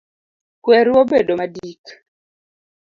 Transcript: Kweru obedo madik